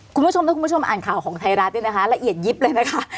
คุณผู้ชมถ้าคุณผู้ชมอ่านข่าวของไทยรัฐเนี่ยนะคะละเอียดยิบเลยนะคะ